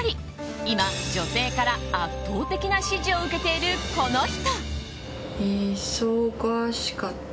今、女性から圧倒的な支持を受けているこの人。